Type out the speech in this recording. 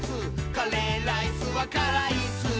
「カレーライスはからいっすー」